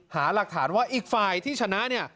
หาหลักฐานว่าอีกฝ่ายที่ชนะเนี่ย